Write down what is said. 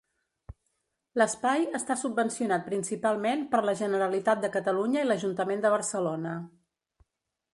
L'espai està subvencionat principalment per la Generalitat de Catalunya i l'Ajuntament de Barcelona.